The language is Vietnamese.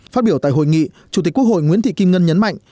phát biểu tại hội nghị chủ tịch quốc hội nguyễn thị kim ngân nhấn mạnh